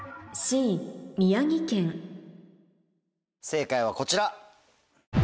正解はこちら。